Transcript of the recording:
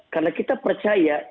karena kita percaya